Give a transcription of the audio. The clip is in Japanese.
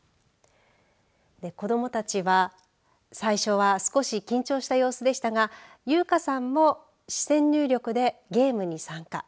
子どもたちは最初は少し緊張した様子でしたが邑果さんも視線入力でゲームに参加。